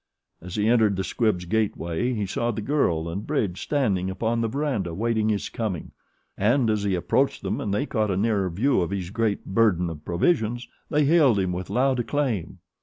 As he entered the Squibbs' gateway he saw the girl and Bridge standing upon the verandah waiting his coming, and as he approached them and they caught a nearer view of his great burden of provisions they hailed him with loud acclaim.